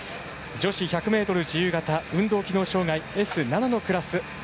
女子１００ｍ自由形運動機能障がいＳ７のクラス。